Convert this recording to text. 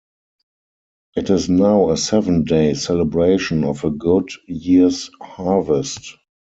It is now a seven-day celebration of a good year's harvest.